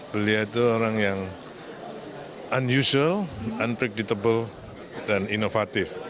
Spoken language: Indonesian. beliau itu orang yang unusual unprecditable dan inovatif